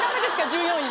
１４位。